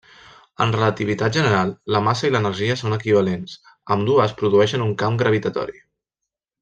En relativitat general, la massa i l'energia són equivalents; ambdues produeixen un camp gravitatori.